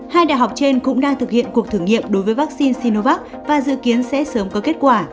hai đại học trên cũng đang thực hiện cuộc thử nghiệm đối với vaccine sinovac và dự kiến sẽ sớm có kết quả